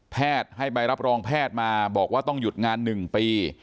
แพทย์ให้ไปรับรองแพทย์มาบอกว่าต้องหยุดงานหนึ่งปี